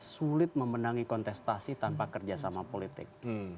sulit memenangi kontestasi tanpa kerja sama politik